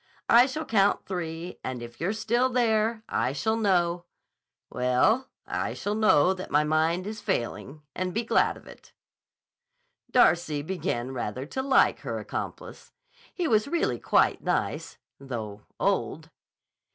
I shall count three, and if you're still there I shall know—well, I shall know that my mind is failing—and be glad of it." Darcy began rather to like her accomplice. He was really quite nice—though old.